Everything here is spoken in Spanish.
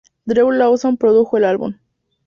Drew Lawson produjo el álbum.